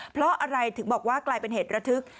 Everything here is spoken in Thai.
เพราะอะไรถึงบอกว่ากลายเป็นเหตุระทึก